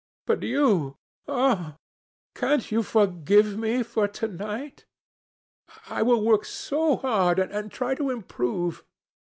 But you, oh! can't you forgive me for to night? I will work so hard and try to improve.